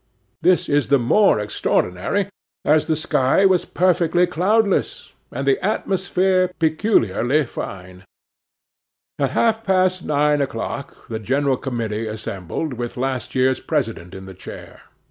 This is the more extraordinary, as the sky was perfectly cloudless, and the atmosphere peculiarly fine. At half past nine o'clock the general committee assembled, with the last year's president in the chair.